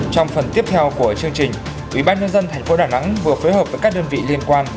trong phần tiếp theo của chương trình ủy ban nhân dân tp đà nẵng vừa phối hợp với các đơn vị liên quan